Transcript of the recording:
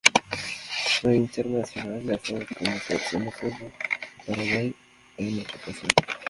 Fue internacional con la Selección de fútbol de Paraguay en ocho ocasiones.